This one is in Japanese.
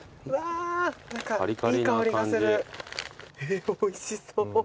えっおいしそう。